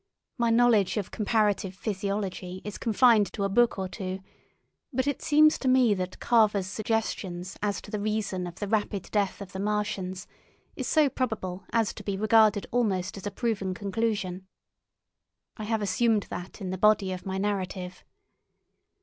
My knowledge of comparative physiology is confined to a book or two, but it seems to me that Carver's suggestions as to the reason of the rapid death of the Martians is so probable as to be regarded almost as a proven conclusion. I have assumed that in the body of my narrative.